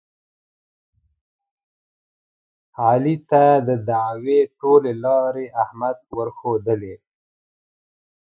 علي ته د دعوې ټولې لارې احمد ورښودلې.